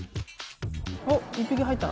おっ１ぴき入った？